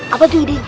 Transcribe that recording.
apa tuh idenya